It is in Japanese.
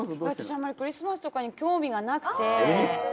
私あんまりクリスマスとかに興味がなくて。